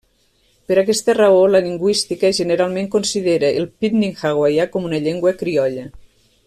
Per aquesta raó, la lingüística generalment considera el pidgin hawaià com una llengua criolla.